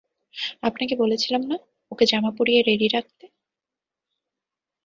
আপনাকে বলেছিলাম না ওকে জামা পরিয়ে রেডি রাখতে?